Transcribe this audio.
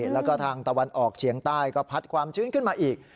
แล้วก็ทางตะวันออกเฉียงใต้ก็พัดความชื้นขึ้นมาอีก